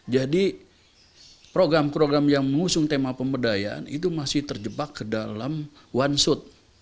jadi program program yang mengusung tema pemberdayaan itu masih terjebak ke dalam one shot